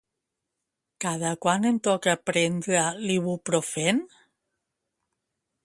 Cada quant em toca prendre l'Ibuprofèn?